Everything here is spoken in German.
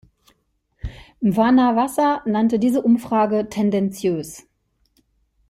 Mwanawasa nannte diese Umfrage tendenziös.